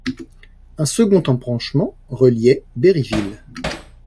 Un second embranchement reliait Berryville.